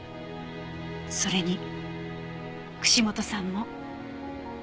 それに串本さんも。